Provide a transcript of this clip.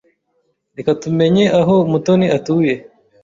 Reka tumenye aho Mutoni atuye.